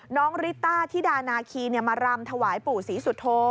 ริต้าธิดานาคีมารำถวายปู่ศรีสุโธ